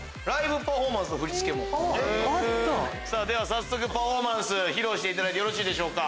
早速パフォーマンス披露していただいてよろしいでしょうか。